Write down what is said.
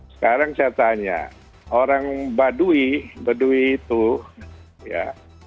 sekarang saya tanya orang baduy baduy itu ya